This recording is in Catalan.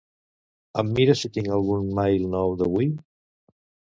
Em mires si tinc algun mail nou d'avui?